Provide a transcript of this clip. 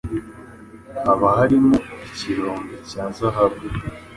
haba harimo ikirombe cya zahabu.